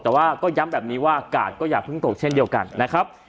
แต่ว่าก็ย้ำแบบนี้ว่ากาดก็อย่าเพิ่งตกเช่นเดียวกันนะครับ